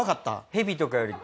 ヘビとかよりも？